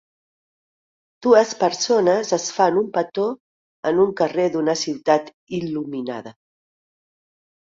Dues persones es fan un petó en un carrer d'una ciutat il·luminada.